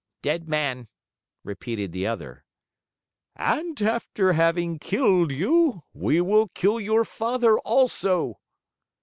"Dead man," repeated the other. "And after having killed you, we will kill your father also."